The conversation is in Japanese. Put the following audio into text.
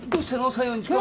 西園寺君。